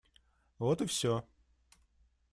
Вот и все.